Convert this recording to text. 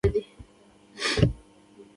د موټرو واردات څومره دي؟